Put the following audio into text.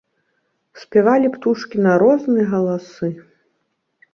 Спявалі птушкі на розныя галасы.